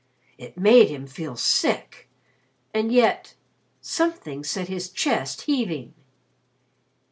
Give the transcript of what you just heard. It made him feel sick. And yet something set his chest heaving.